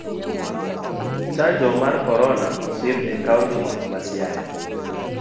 Chanjo mar korona osidh e kaunti ma siaya.